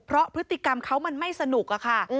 เพราะพฤติกรรมเขามันไม่สนุกอะค่ะ